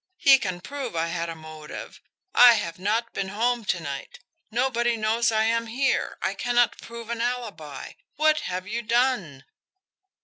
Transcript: He can prove I had a motive. I have not been home to night. Nobody knows I am here. I cannot prove an alibi. What have you done!"